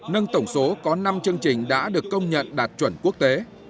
nâng tổng số có năm chương trình đã được công nhận đạt chuẩn quốc tế